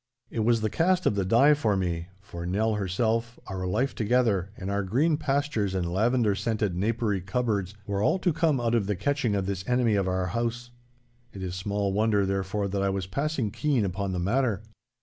It was the cast of the die for me, for Nell herself, our life together, and our green pastures and lavender scented napery cupboards were all to come out of the catching of this enemy of our house. It is small wonder therefore that I was passing keen upon the matter.